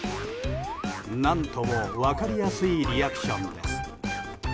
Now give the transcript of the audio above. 何とも分かりやすいリアクションです。